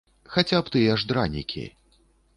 Хаця б тыя ж дранікі.